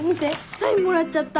サインもらっちゃった。